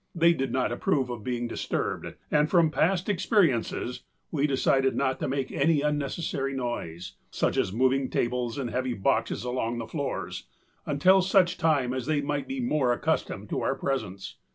They did not approve of being disturbed, and from past experiences we decided not to make any unnecessary noise, such as moving tables and heavy boxes along the floors, until such time as they might be more accustomed to our presence.